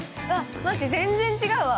待って、全然違うわ。